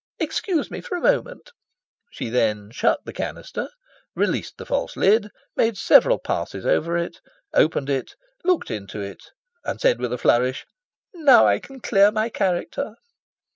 Excuse me for a moment." She then shut the canister, released the false lid, made several passes over it, opened it, looked into it and said with a flourish "Now I can clear my character!"